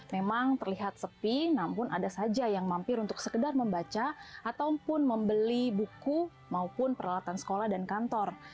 memang terlihat sepi namun ada saja yang mampir untuk sekedar membaca ataupun membeli buku maupun peralatan sekolah dan kantor